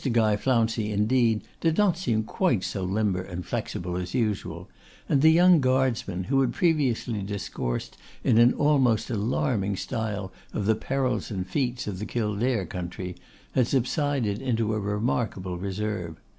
Guy Flouncey, indeed, did not seem quite so limber and flexible as usual; and the young guardsman, who had previously discoursed in an almost alarming style of the perils and feats of the Kildare country, had subsided into a remarkable reserve.